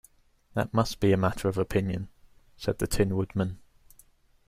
"That must be a matter of opinion," said the Tin Woodman.